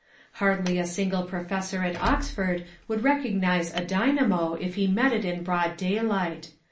Hardly a single professor at Oxford would recognise a dynamo if he met it in broad daylight.